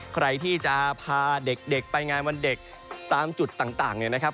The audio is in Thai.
ใครที่จะพาเด็กไปงานวันเด็กตามจุดต่างเนี่ยนะครับ